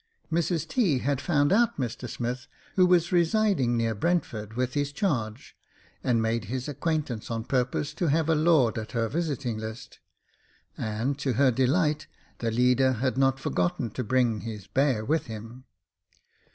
Mrs T. had found out Mr Smith, who was residing near Brentford with his charge, and made his acquaintance on purpose to have a lord on her visiting list, and, to her delight, the leader had not forgotten to bring his bear with him.